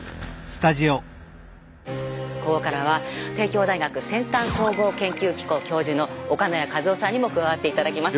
ここからは帝京大学先端総合研究機構教授の岡ノ谷一夫さんにも加わって頂きます。